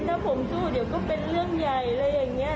ถ้าผมสู้เดี๋ยวก็เป็นเรื่องใหญ่อะไรอย่างนี้